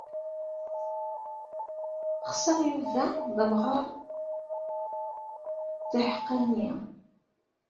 Xseɣ Yuba d amaɣer d aḥeqqani.